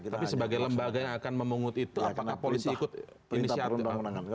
tapi sebagai lembaga yang akan memungut itu apakah polisi ikut inisiatif